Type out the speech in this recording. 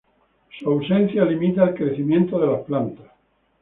Su ausencia limita el crecimiento de las plantas.